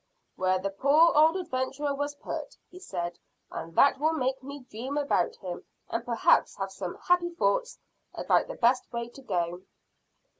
"Where the poor old adventurer was put," he said, "and that will make me dream about him and perhaps have some happy thoughts about the best way to go."